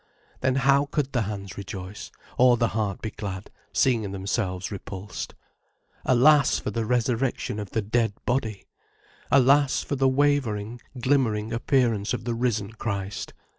Then how could the hands rejoice, or the heart be glad, seeing themselves repulsed. Alas, for the resurrection of the dead body! Alas, for the wavering, glimmering appearance of the risen Christ.